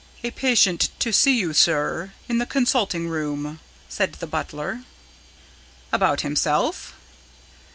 "A patient to see you, sir, in the consulting room," said the butler. "About himself?"